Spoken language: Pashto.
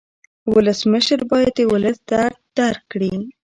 ولسمشر باید د ولس درد درک کړي.